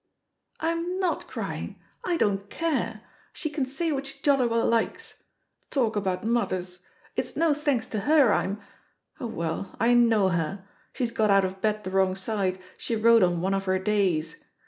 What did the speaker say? "I'm not crying. I don't care. She can say what she jolly well likes. Talk about mothers! it's no thanks to her I'm Oh, well, I know her! she's got out of bed the wrong side, she wrote on one of her days.